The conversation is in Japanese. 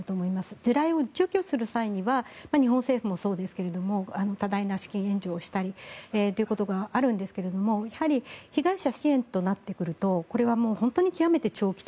地雷を除去する際には日本政府もそうですけれど多大な資金援助をしたりということがあるんですがやはり被害者支援となってくるとこれは本当に極めて長期的。